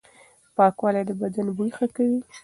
پاکوالي د بدن بوی ښه کوي.